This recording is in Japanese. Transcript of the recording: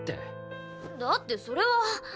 だってそれは。